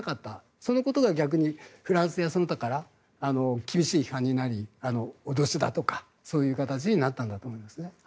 そのことが逆にフランスやその他から厳しい批判になり脅しだとかそういう形になったんだと思います。